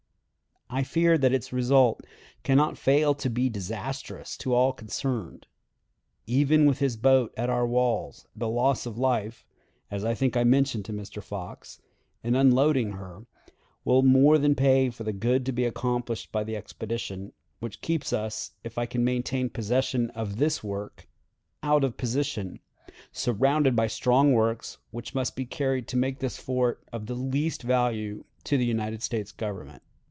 I fear that its result can not fail to be disastrous to all concerned. Even with his boat at our walls, the loss of life (as I think I mentioned to Mr. Fox) in unloading her will more than pay for the good to be accomplished by the expedition, which keeps us, if I can maintain possession of this work, out of position, surrounded by strong works which must be carried to make this fort of the least value to the United States Government.